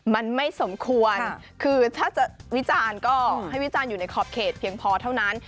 มันไม่สมควรคือถ้าจะวิจารณ์ก็ให้วิจารณ์อยู่ในขอบเขตเพียงพอเท่านั้น